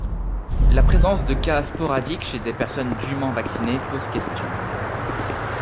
La présence de cas sporadiques chez des personnes dûment vaccinés pose question.